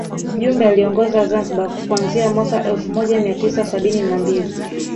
Jumbe aliiongoza Zanzibar kuanzia mwaka elfu moja mia tisa sabini na mbili